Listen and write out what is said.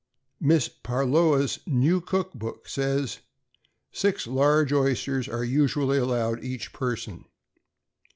Miss Parloa's "New Cook Book" says, "Six large oysters are usually allowed each person."